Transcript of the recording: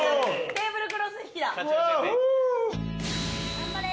頑張れ。